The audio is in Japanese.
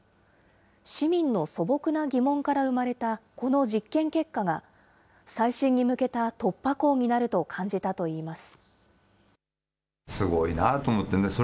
市民の素朴な疑問から生まれたこの実験結果が、再審に向けた突破口になると感じたといいます。